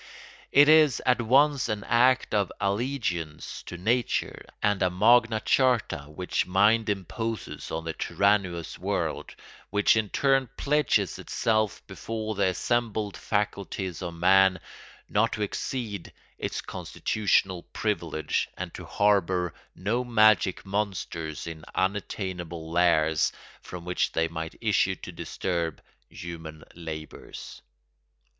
It is at once an act of allegiance to nature and a Magna Charta which mind imposes on the tyrannous world, which in turn pledges itself before the assembled faculties of man not to exceed its constitutional privilege and to harbour no magic monsters in unattainable lairs from which they might issue to disturb human labours.